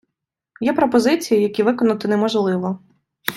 Є пропозиції, які виконати неможливо.